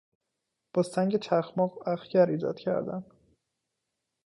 با سنگ چخماق اخگر ایجاد کردن